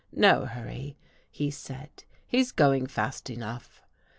^" No hurry," he said. " He's going fast enough."